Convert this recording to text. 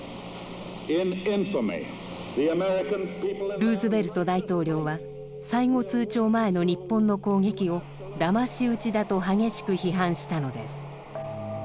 ルーズベルト大統領は最後通牒前の日本の攻撃をだまし討ちだと激しく批判したのです。